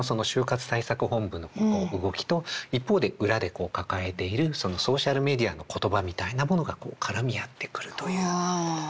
対策本部の動きと一方で裏で抱えているソーシャルメディアの言葉みたいなものがこう絡み合ってくるという。わ。